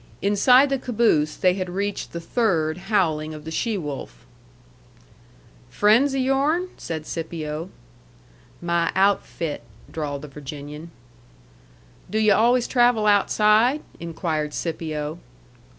Inside the caboose they had reached the third howling of the she wolf. "Friends of yourn?" said Scipio. "My outfit," drawled the Virginian. "Do yu' always travel outside?" inquired Scipio.